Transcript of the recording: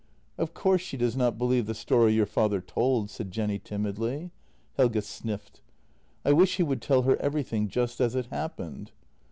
" Of course she does not believe the story your father told," said Jenny timidly. — Helge sniffed. — "I wish he would tell her everything just as it happened."